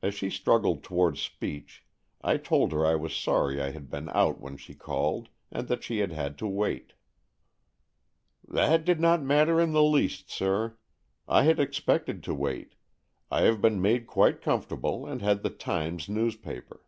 As she struggled towards speech, I told her I was sorry I had been out when she called, and that she had had to wait. " That did not matter in the least, sir. I had expected to wait. I have been made quite comfortable and had the Times news paper."